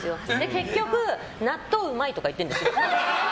結局、納豆うまいとか言ってるんですよ。